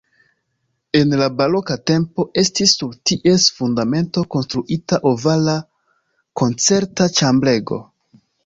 En la baroka tempo estis sur ties fundamento konstruita ovala koncerta ĉambrego.